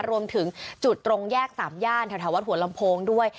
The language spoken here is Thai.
รวมถึงจุดตรงแยกสามย่านแถววัดหัวลำโพงด้วย